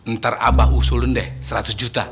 ntar abah usulin deh seratus juta